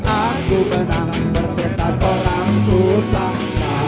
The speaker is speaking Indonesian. aku benang bersintas orang susah